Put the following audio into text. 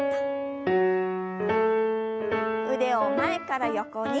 腕を前から横に。